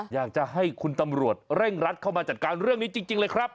อยากจะให้คุณตำรวจเร่งรัดเข้ามาจัดการเรื่องนี้จริงเลยครับ